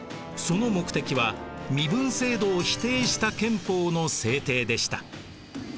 その目的は身分制度を否定した憲法の制定でした。